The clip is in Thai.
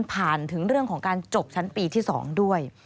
ถึงเรื่องของการจบชั้นปีที่๒ด้วย